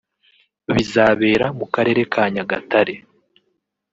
bizabera mu karere ka Nyagatare